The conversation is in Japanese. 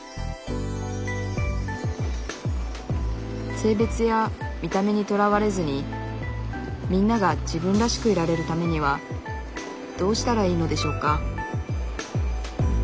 性別や見た目にとらわれずにみんなが自分らしくいられるためにはどうしたらいいのでしょうか？